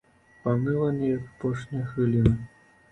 Паныла неяк апошнія хвіліны.